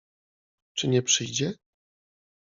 Czy nie przyjdzie?